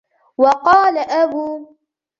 وَقَالَ أَبُو